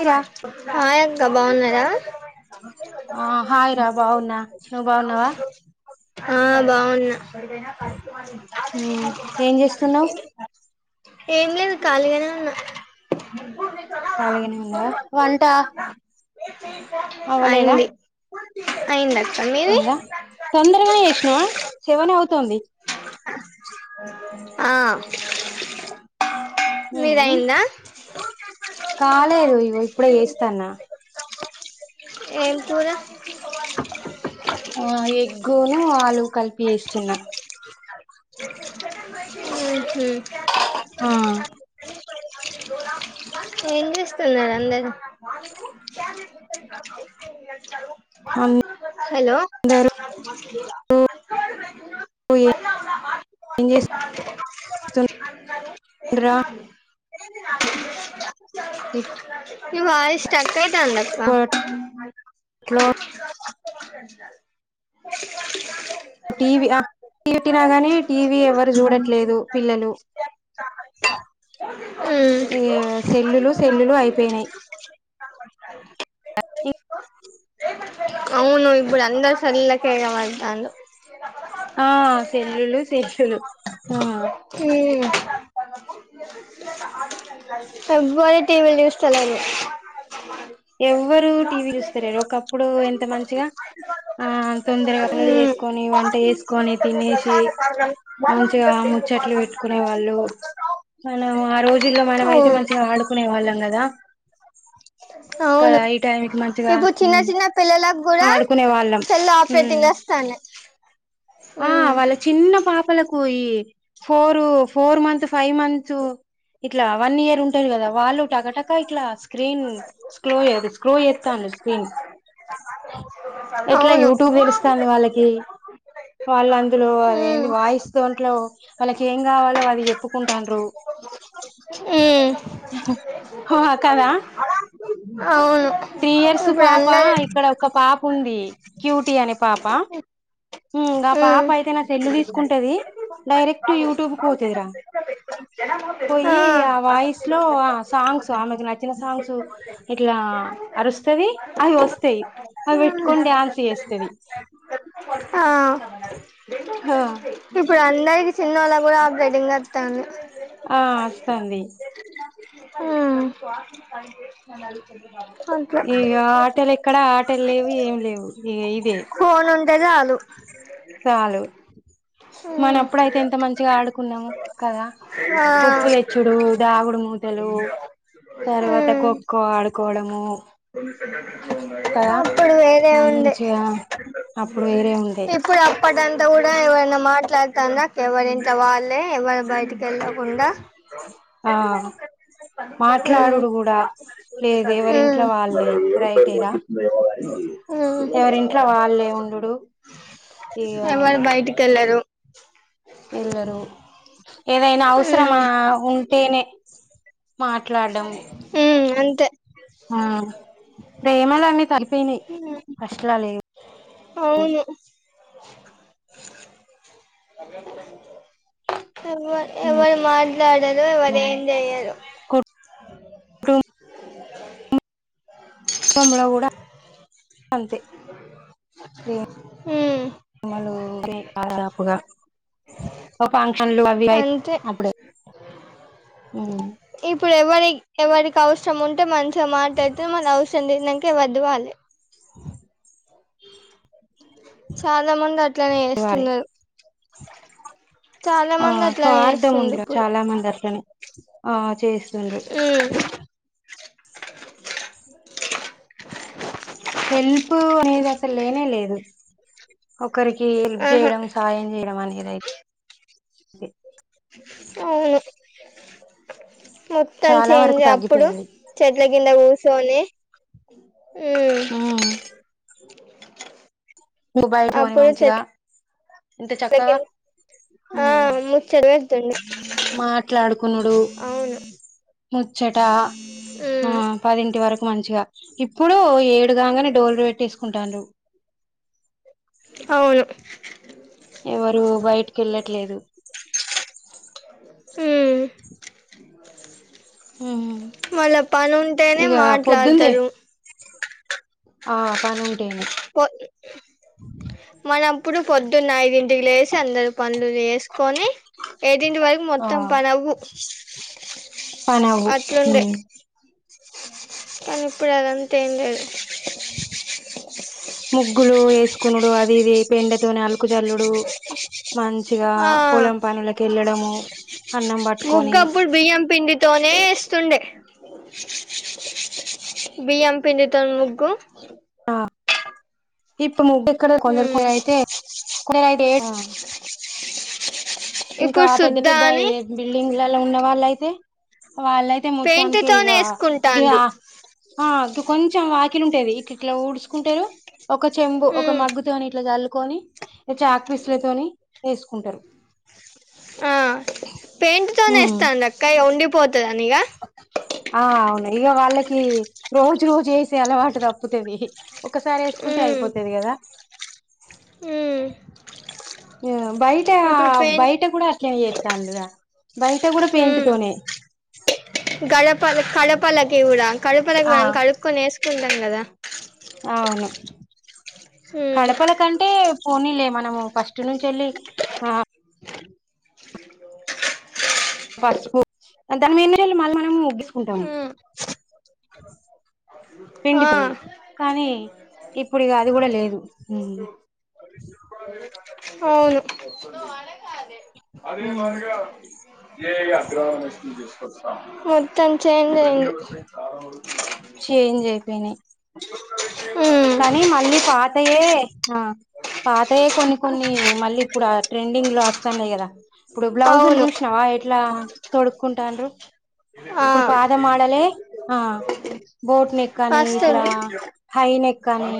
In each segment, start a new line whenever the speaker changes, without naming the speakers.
Hi రా
హయక్క బాగున్నారా
ఆ హాయ రా బావున్నా నువ్ బావున్నవా
ఆ బాగున్నా
మ్మ్ ఏం చేస్తున్నావ్
ఏం లేదు ఖాళీగానే ఉన్నా
ఖాళీగనే ఉన్నావా వంట
అయింది అయింది అక్క మీది
ఇంద తొందరగానే చేసినవా సెవనే అవుతుంది
ఆ
మ్మ్
మీదయిందా
కాలేదు ఇగో ఇప్పుడే చేస్తానా
ఏం కూరా
ఆ ఎగ్గును ఆలు కలిపి చేస్తున్నా
ఉహు
ఆ
ఏం చేస్తున్నరా అందర్ హలో
అందరూ ఏం జేస్
[inaudible]
ఇప్
నీ వాయిస్ కట్ ఐతందక్క [inaudible]
ఇప్పట్లో టీవీ టీ పెట్టినాగాని టీవీ ఎవరు చూడట్లేదు పిల్లలు
ఉ
పెనయి
అవును ఇప్పుడు అందరు సల్ల కెగబడతర్రు
ఆ సెల్లులు శిష్యులు
ఎవ్వరు టీవి లు చూస్తలేరు
ఎవ్వరు టీవీ చూస్తలేరు ఒకప్పుడు ఎంత మంచిగా ఆ తొందరగా పనులు
మ్మ్
చేసుకొని వంట చేేసుకొని తినేసి మంచిగా ముచ్చట్లు పెట్టుకునే వాళ్ళు మనం ఆ రోజుల్లో మనం అయితే మంచిగ ఆడుకునే వాళ్ళం కదా
అవును
కదా ఈ టైం కి మంచిగా
ఇప్పుడు చిన్న
ఉమ్,
చిన్న పిల్లలకు కూడా
ఆడుకునే వాళ్ళం
సెల్
ఉమ్
ఆపరేటింగ్ చేస్ స్తనే
ఆ వాళ్ళ చిన్న పాప్ పోయి four four month five month ఇట్లా అవన్ని చే ఉంటారు కదా వాళ్ళు టకటక ఇట్ల స్క్రీన్ స్క్రోల్ స్క్రోల్ చేత్తాను స్క్రీన్ ఎట్ల
అవును
యూట్యూబ్ తెలుస్తాంది వాళ్ళకి వాళ్ళఅందులో
మ్మ్
అదేంది వాయిస్తోన్ ట్లో వాళ్ళకి ఏం కావాలో అది చెప్పుకుంటాడ్రు
మ్మ్
హా కదా
అవును
త్రీ ఇయర్స్
ఇప్పుడు
పాప
అందరు
ఇక్కడ ఒక్క పాప ఉంది క్యూటీ అనే పాప పాప అయితే నా సెల్
ఆ
తీసుకుంటది డైరెక్ట్ యూట్యూబ్ కు పోతదిరా
[inaudible]
పోయి ఆ వాయిస్ లో ఆ సాంగ్స్ ఆమెకు నచ్చిన సాంగ్స్ ఇట్లా అరుస్తది అవి వస్తాయి అవి పెట్టుకొని డాన్స్ చేస్తది
ఇప్పుడు అందరికి చిన్న వాళ్ళ కూడా ఆపరేటైంగ్ అత్తంది
ఆ అస్తాంది
ఉ
ఇగ ఆటలు ఎక్కడ ఆటలు లేవు ఏం లేవు ఇగ ఇదే
ఫోన్ ఉండే చాలు
చాలు మనప్పుడ అయితే ఎంత మంచిగా ఆడుకున్నాము కదా
ఆ
ఉప్పుతెచ్చుడు దాగుడు ము తలు తరువాత ఖో ఖో ఆడుకోవడము కదా
అప్పుడు వేరే ఉండే
మంచిగా అప్పుడు వేరే ఉండే
ఇప్పుడు అప్పటంత కూడా ఎవైనా మాట్లాడ తందక్ ఎవరింట్ల వాళ్ళే ఎవరు బయటికి వెళ్ళకుండా
ఆ
ఉమ్
మాట్లాడుడు కూడా లేదు
ఉమ్
ఎవరింట్లో వాళ్ళే రైటేరా
ఉమ్
ఎవరింట్ల వాళ్ళే ఉండుడు ఇగ
ఎవరు బయటికి ఎళ్ళరు
ఎల్లరు ఏదైనా
ఉమ్
అవసరమా ఉంటేనే మాట్లాడం
ఉమ్ అంతే
ఆ ప్రేమలు అన్నీ తరిపోయినయి ఫస్ట్ లా లేవు
అవును ఎవరు
ఊ
ఎవరు మాట్లాడరు ఎవరు ఏం జెయ్యరు
కున్ కంగడ కూడా అంతే సేమ్
ఉమ్
మల్లుది దాదాపుగా ఓ ఫంక్షన్ లు అవి ఐతే
అంతే
అపుడే ఊ
ఇప్పుడు ఎవరి ఎవరికి అవసరం ఉంటే మంచిగా మాట్లాడుతు మళ అవసరం తీరినంక ఎవరిది వాళ్ళు
ఆ
చాలా మంది అట్లనే
వాడే
చేస్తున్నరు
ఆ
అట్లనే
స్వార్థం ఉంది
చేస్తుండ్రు
రా
ఇప్పుడు
చాలా మంది అట్లనే ఆ చేస్తుండ్రు
ఉమ్
ఇగ అసలు లేనే లేదు ఒకరికి హెల్ప్
ఆహా
చేయడం సహాయం చేయడం అనేది అయి డెత్
అవును మొత్తం
చాలా వరకు
చేంజ్ అప్పుడు
తగ్గిపోయింది
చెట్ల కింద కూర్చొని ఊ
ఉమ్ నువ్ బయటోనివి మంచిగా ఎంత చక్కగా
సెటిల్ ఆ
ఉమ్
ముచ్చట వెట్
మాట్లాడుకునుడు
అవును
ముచ్చట ఆ
ఉమ్
పదింటి వరకు మంచిగా ఇప్పుడు ఏడుగాంగనే డోర్లు పెట్టేసుకుంటండ్రు
అవును
ఎవరు బయటికి వెళ్ళట్లేదు
ఊ
ఉమ్
మళ్ళ పని ఉంటేనే
ఇగ పొద్దుందే
మాట్లాడతారు
ఆ పనుంటేనే
మనం ఇప్పుడు పొద్దున్న ఐదింటికి లేేసి అందరు పనులు చేసుకొని ఏదింటి వరకు మొత్తం పనవ్వు
పనవు ఊ
అట్లుండే కానీ ఇప్పుడు అదంత ఏం లేదు
ముగ్గులు వేసుకునుడు అది ఇది పెండతోని అలుకు జల్లుడు మంచిగా
ఆ
పోలం పనులకి వెళ్ళడము
ముగ్గప్పుడు బియ్యం పిండితోనే ఏస్తుండే బియ్యం పిండి తోని ముగ్గు
అ ఇప్పు ముగ్గేక్కడ కొందరు
ఉమ్
కొంద అయితే కొందరు అయితే ఏ ఇంకా
ఇప్పుడు
పెద్ద
శుద్ధ
పెద్ద
అని
ఇదే బిల్డింగ్లల ఉన్న వాళ్ళయితే వాళ్ళయితే
పెయింట్
మొత్తానికి ఇక
తోనే
గిగా
ఏసుకుంటాండ్రు
ఆ గి కొంచం చం వాకిలు ఉంటది ఇట్లిట్ల ఊడ్చూకుంటరు ఒక చెంబు ఒక
ఉమ్
మగ్గు తోని ఇట్ల జల్లుకొని ఇ చాక్ పీస్ లతోని ఎసుకుంటారు
ఆ పెయింట్ తోనే
ఉమ్
ఇస్తాందక్క ఇగ ఉండిపోతుందనిగా
ఆ అవును ఇగ వాళ్ళకి రోజు చేసే అలవాటు తప్పుతది ఒకసారి ఎసుకుంటే
ఉమ్
అయిపోతది కదా
ఉమ్
బయట
ఇప్పుడు పెయింట్
బయట కూడా అట్లేనే చేత్తళ్ళు రా బయట కూడా పెయింట్ తోనే
గడప కడపలకి కూడా కడపలకి
ఆ
మనం కడుక్కొనే ఎస్ కుంటాం కదా
అవును
ఉమ్
కడపల కంటే పోనీలే మనము ఫస్ట్ నుంచేలి ఆ పసుపు అంత మీళ్ళు మళ్ళీ మనము ముగ్గేసుకుంటాము
ఉమ్ ఆ
పిండితునియి కానీ ఇప్పుడ ఇగ అది కూడా లేదు ఉమ్
అవును
ఉమ్,
మొత్తం చేన్ జయి
చేంజ్ అయిపోయినాయి
ఉమ్
కానీ మళ్ళీ పాతయే ఆ పాతయే కొన్ని కొన్ని మళ్ళీ ఇప్పుడ ట్రెండింగ్ లో వస్తాన్నాయి కదా ఇప్పుడు బ్లౌజులు
అవును
చూసిన వా ఎట్లా తొడుక్కుంటండ్రు
ఆ
ఇప్పుడు పాత మోడల్ ఎ ఆ బోట్ నెక్ అని ఇట్లా
వస్తుంది
హై నెక్ కానీ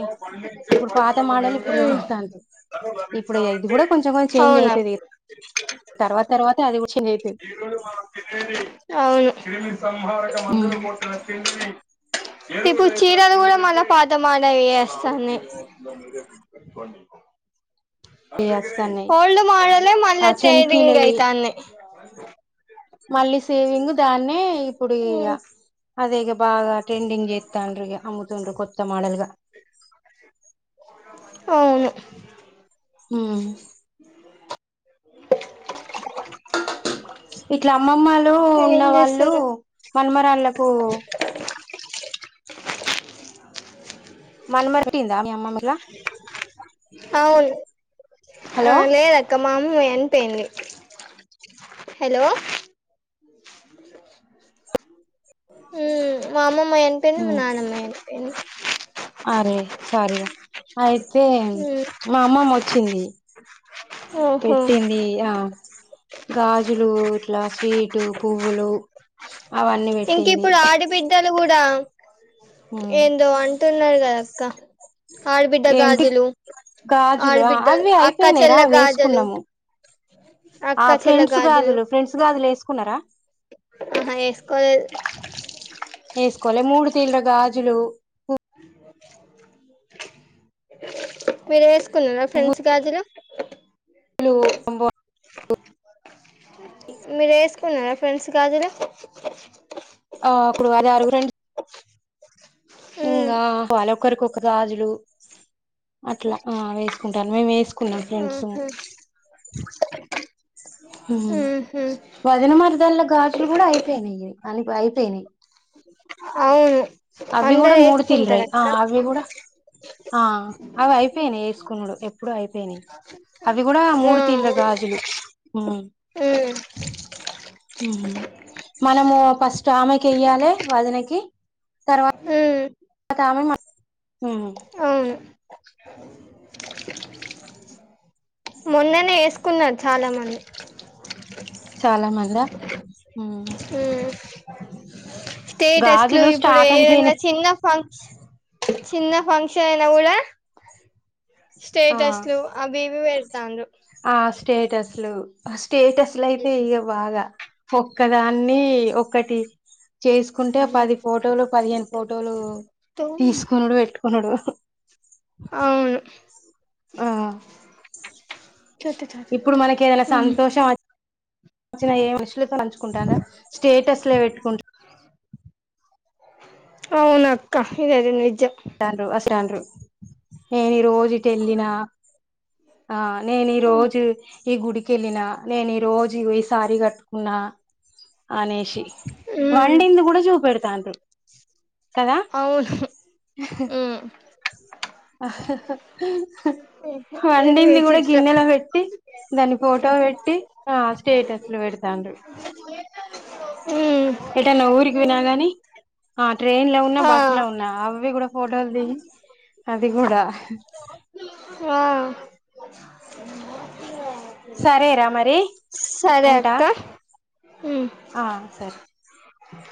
ఇప్పుడు పాత మాడలు ఇప్పుడు తొడుగుతండ్రు ఇప్పుడ ఇది కూడా కొంచెం కొ చేంజ్
అవునా
అయితది తర్వాత తర్వాత అది కూడా చేంజ్ అయితది
అవును ఇప్పుడు చీరలు కూడా మళ పాత మోడల్ యే అస్తానాయి
ఇవి వస్తాన్నాయి
హోల్డ్ మడలే
ఆ
మళ్ళచ్చదిింగ్ అయిత
చెంకీలయి
అయితన్నయ్
మళ్ళీ సేవింగ్ దాన్నే ఇప్పుడు ఇ ఇగ అదే ఇగ బాగా ట్రెండింగ్ చేత్తండ్రు ఇగ అమ్ముతుండ్రు కొత్త మోడల్గా
అవును
ఉమ్ ఇట్లా అమ్మమ్మలు ఉన్న
ఏం
వాళ్ళు
చేస్తున్నారు
మనమరాళ్ళలకు పట్టిందా మీఅమ్ ఇట్లా
అవును ఆ
హలో
లేదక్క మా అమ్మే చనిపోయింది హలో ఉమ్ మా అమ్మమ్మయి అనిపోయింది మా నాన్నమ్మ చనిపోయింది
అరే సారీ రా అయితే మా అమ్మమ్మ వచ్చింది
ఓహో
పెట్టింది ఆ గాజులు ఇట్లా స్విటు పువ్వులు అవన్నీ
ఇంక
పెట్టింది
ఇప్పుడు ఆడిబిడ్డలు కూడా
ఉమ్
ఏందో అంటున్నారు కదా క్కా ఆడు బిడ్డ
ఏంటి
గాజులు
గాజులు
ఆడబిడ్డ
అవి
అక్క
అయిపోయినాయిరా
చెల్ల
అవ్వి
గాజులు
ఎసుకున్నాము
అక్క
ఆ
చెల్లె
ఫ్రెండ్స్ గాజులు ఫ్రెండ్స్ గాజులు ఎసుకున్నారా
అహా ఎసుకోలేదు
కొలె మూడు తీల్రా గాజులు
మీరేసుకున్నారా ఫ్రెండ్స్ గాజులు
[unintelligible]
మీర్ ఎసుకున్నారా, ఫ్రెండ్స్ గాజులు.
ఆ ఇప్పుడు ఆరారూ ఫ్రెండ్స్.
ఉమ్
ఇంగా. [unintelligible] ఒకరిఒక గాజులు అట్లా, ఆ వేసుకుంటాన్ మేమ్ ఏస్ కున్నాం, ఫ్రెండ్స్.
ఆహా
హుమ్మ్.
ఉహు
వదిన, మరదల్ల గా గాజులు గుడా అయిపోయినాయ్యి, అన్ని ప అయిపోయినాయి.
అవును
అవ్వి గుడా
అందరు వేసుకుంటారు
మూడుతిర్లయ్యి. ఆ
అక్క
అవ్వి గుడా. ఆ అవి అయిపోయానాయి ఎసుకునుడు ఎప్పుడో అయిపోయినాయి. అవి గుడా
ఆ
మూడు తీర్ల గా, గాజులు ఉమ్.
ఉమ్
ఉహుమ్ ఉ మనము ఫస్ట్ ఆమెకేయ్యాలే వదినేకి, తర్వాత్
ఉమ్
తర్వాత ఆమె మా. [unintelligible] ఉమ్ ఉమ్.
అవును మొన్ననే ఏసుకున్నార్ చాలామంది.
చాలామందా, ఉహుమ్.
ఉమ్ స్టేటస్లు, ఇప్పుడు
స్టాక్
ఏదన్నా
అయిపోయినాయి
చిన్న ఫం చిన్న ఫంక్షన్ అయినా గుడా,
ఆ
స్టేటస్లు అవి, ఇవి పేడ్తన్రు.
ఆ స్టేటస్లు. ఆహ్ స్టేటస్లు అయితే ఇగా బాగా. ఒక్కదాన్ని, ఒకటి. చేసుకుంటే పది ఫోటోలు, పదిహేను ఫోటోలు తీసుకునుడు, బేట్కునుడు.
అవును.
ఆ. ఇప్పుడ్ మనక్ ఏదైనా,
ఉమ్
సంతోషం అచ్ [unintelligible] చ్చిన ఏం మనుషులతో పంచుకుంటారా, స్టేటస్ లే బేట్టుకుంట్
అవునాక్క, ఇదైతే నిజమ్.
[unintelligible] తండ్రు, అస్తండ్రు నేన్ ఈ రోజు ఈటెల్లిన. ఆ నేన్ ఈ రోజు, ఈ గుడికెళ్ళిన, నేన్ ఈ రోజు ఇగో ఈ సారీ గట్టుకున్నా. అనేషి,
ఉమ్
వండింది గుడా చూపెడ్తాన్రు.
అవును. ఉమ్
ఆ
ఇది
వండింది గుడా,
విచిత్రం
గిన్నెలో వెట్టి, దాన్నీ ఫోటో బేట్టి, ఆ స్టేటస్ లు పెడ్తాన్రు.
పో
ఏటన్నా ఊరికి పోయినా గాని, ఆ ట్రైన్ లో ఉన్నా,
ఆ
బస్సు లో ఉన్నా అవ్వి గుడా, ఫోటోల్ దిగి అది గుడా,
అ
సరేరా మరి ఉంటా,
అక్క ఉమ్
ఆ సరే. అ